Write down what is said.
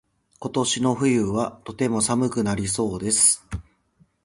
今年の冬はとても寒くなりそうです。